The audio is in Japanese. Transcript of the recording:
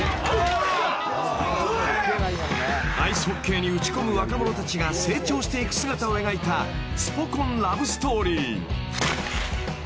［アイスホッケーに打ち込む若者たちが成長していく姿を描いたスポ根ラブストーリー］